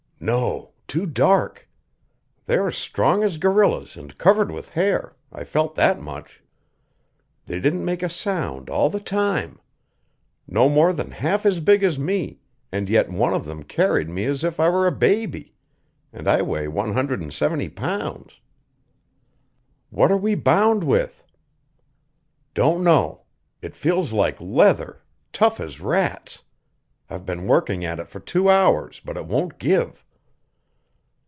"No. Too dark. They are strong as gorillas and covered with hair; I felt that much. They didn't make a sound all the time. No more than half as big as me, and yet one of them carried me as if I were a baby and I weigh one hundred and seventy pounds." "What are we bound with?" "Don't know; it feels like leather; tough as rats. I've been working at it for two hours, but it won't give."